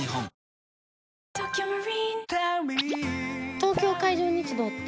東京海上日動って？